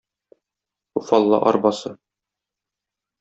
Уфалла арбасы.